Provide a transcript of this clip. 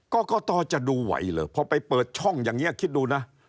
กรกตจะดูไหวเหรอพอไปเปิดช่องอย่างนี้คิดดูนะ